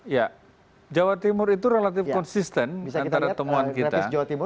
ya jawa timur itu relatif konsisten antara temuan kita